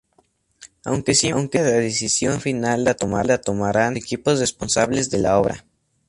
Aunque siempre la decisión final la tomarán los equipos responsables de la obra.